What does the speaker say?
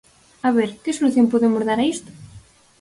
A ver, ¿que solución podemos dar a isto?